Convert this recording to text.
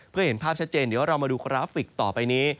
เพื่อเห็นภาพชัดเจนเดี๋ยวเรามาดูกราฟิกต่อไปนี้